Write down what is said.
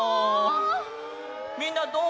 みんなどう？